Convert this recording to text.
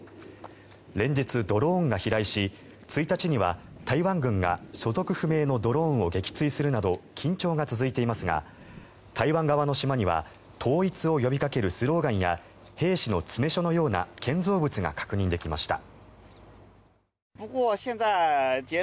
連日、ドローンが飛来し１日には台湾軍が所属不明のドローンを撃墜するなど緊張が続いていますが台湾側の島には統一を呼びかけるスローガンや兵士の詰め所のような建造物が確認できました。